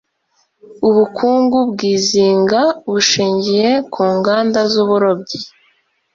ubukungu bwizinga bushingiye ku nganda zuburobyi